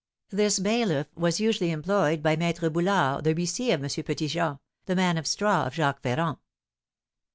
This bailiff was usually employed by Maître Boulard, the huissier of M. Petit Jean, the man of straw of Jacques Ferrand.